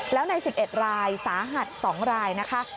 แล้วใน๑๑รายสาหัส๒รายนะคะ